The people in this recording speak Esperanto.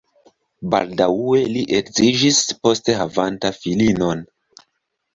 Baldaŭe li edziĝis, poste havanta filinon.